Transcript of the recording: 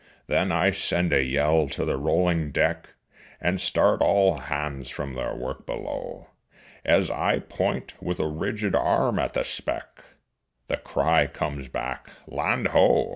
Then I send a yell to the rolling deck, And start all hands from their work below; As I point with a rigid arm at the speck The cry comes back, "Land ho!"